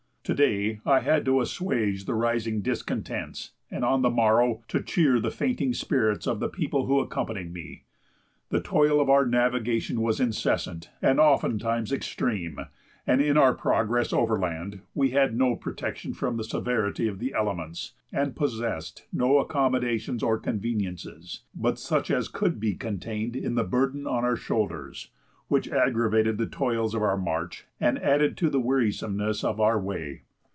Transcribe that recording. To day, I had to assuage the rising discontents, and on the morrow, to cheer the fainting spirits of the people who accompanied me. The toil of our navigation was incessant, and oftentimes extreme; and, in our progress overland, we had no protection from the severity of the elements, and possessed no accommodations or conveniences but such as could be contained in the burden on our shoulders, which aggravated the toils of our march, and added to the wearisomeness of our way.